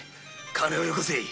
金をよこせ！